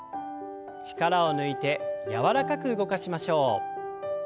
力を抜いて柔らかく動かしましょう。